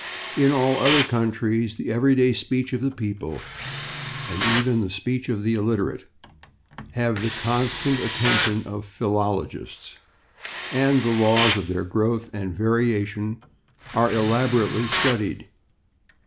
In all other countries the everyday speech of the people, and even the speech of the illiterate, have the constant attention of philologists, and the laws of their growth and variation are elaborately studied.